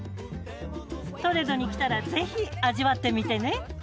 トレドに来たらぜひ味わってみてね。